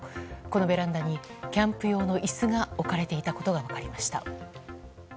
このベランダにキャンプ用の椅子が置かれていたことが分かりました。